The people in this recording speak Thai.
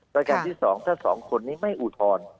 ประกันที่สองถ้าสองคนนี้ไม่อุทธรณ์